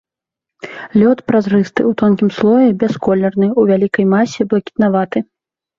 Лёд празрысты, у тонкім слоі бясколерны, у вялікай масе блакітнаваты.